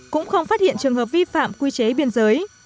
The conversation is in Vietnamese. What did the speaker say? cũng không phát hiện trường hợp vi phạm quy chế biên giới